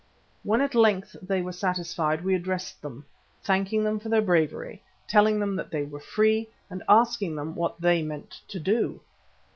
When at length they were satisfied we addressed them, thanking them for their bravery, telling them that they were free and asking what they meant to do.